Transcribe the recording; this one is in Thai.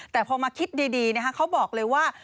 แต่พอมาคิดดีเขาบอกเลยว่า